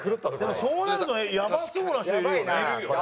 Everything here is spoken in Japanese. でもそうなるとやばそうな人いるよね。